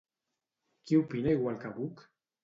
Qui opina igual que Buch?